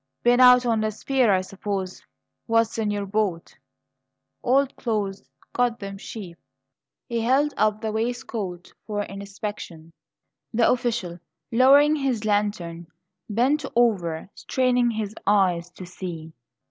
"Been out on the spree, I suppose. What's in your boat?" "Old clothes. Got them cheap." He held up the waistcoat for inspection. The official, lowering his lantern, bent over, straining his eyes to see.